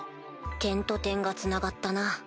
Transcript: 点と点がつながったな。